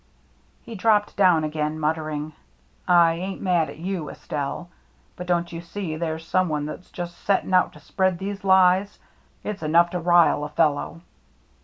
He dropped down again, muttering :" I ain't mad at you, Estelle, but don't you see there's some one that's just setting out to spread these lies. It's enough to rile a fellow.